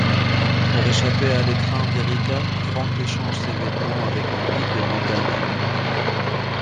Pour échapper à l'étreinte d'Erika, Frank échange ses vêtements avec un guide de montagne.